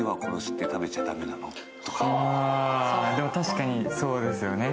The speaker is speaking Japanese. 確かにそうですよね。